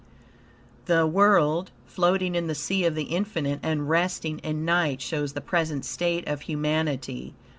The world floating in the sea of the infinite and resting in night shows the present state of humanity.